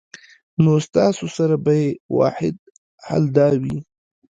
نو ستاسو سره به ئې واحد حل دا وي